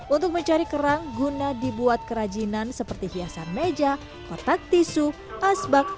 untuk mencari kerang guna dibuat kerajinan seperti hiasan meja kotak tisu asbak